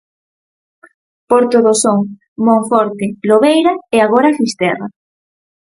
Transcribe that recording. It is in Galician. Porto do Son, Monforte, Lobeira e agora Fisterra.